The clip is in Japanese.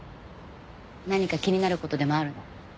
何か気になる事でもあるの？